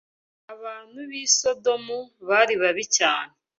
Abantu b’i Sodomu bari babi cyane